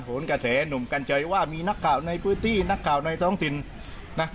โหนกระเฉยหนุ่มกันเจยว่ามีนักข่าวในพูดที่นักข่าวในท้องถิ่นนะ